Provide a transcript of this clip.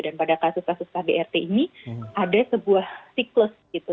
dan pada kasus kasus kdrt ini ada sebuah siklus gitu